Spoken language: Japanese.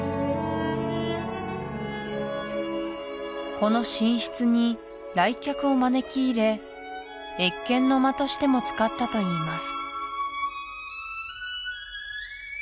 この寝室に来客を招き入れ謁見の間としても使ったといいます